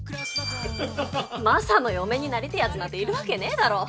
マサの嫁になりてえやつなんているわけねえだろ。